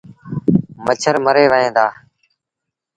مڇر مري وهيݩ دآ۔